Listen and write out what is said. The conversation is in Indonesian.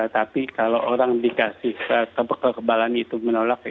tapi kalau orang yang tidak pintar biarkan saja dia menolak